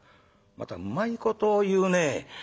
「またうまいことを言うねえ」。